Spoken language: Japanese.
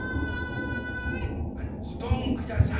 あのうどんください。